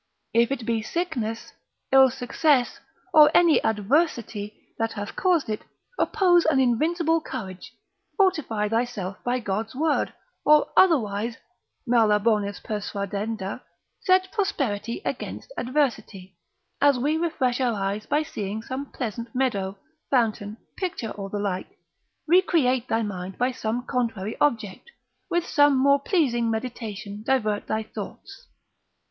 If it be sickness, ill success, or any adversity that hath caused it, oppose an invincible courage, fortify thyself by God's word, or otherwise, mala bonis persuadenda, set prosperity against adversity, as we refresh our eyes by seeing some pleasant meadow, fountain, picture, or the like: recreate thy mind by some contrary object, with some more pleasing meditation divert thy thoughts.